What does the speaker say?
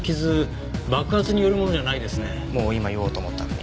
もう今言おうと思ったのに。